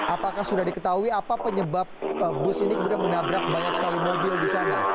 apakah sudah diketahui apa penyebab bus ini kemudian menabrak banyak sekali mobil di sana